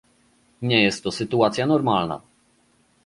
Nie jest to sytuacja normalna